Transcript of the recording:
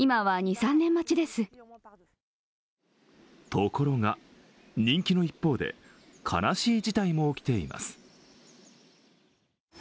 ところが人気の一方で、悲しい事態も起きています。